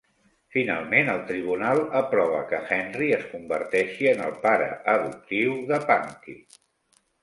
Finalment, el tribunal aprova que Henry es converteixi en el pare adoptiu de Punky.